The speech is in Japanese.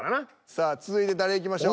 さあ続いて誰いきましょう？